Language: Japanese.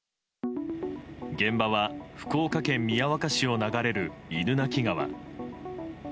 現場は福岡県宮若市を流れる犬鳴川。